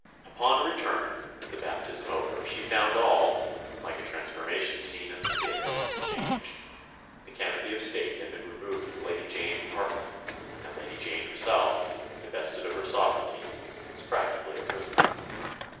Upon her return, the baptism over, she found all like a transformation scene at the theatre changed. The canopy of state had been removed from Lady Jane's apartment, and Lady Jane herself, divested of her sovereignty, was practically a prisoner.